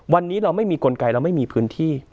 วันนี้เราไม่มีกลไกเราไม่มีพื้นที่